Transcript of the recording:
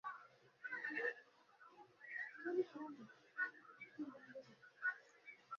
Ur turǧaḍ ara Ṛebbi!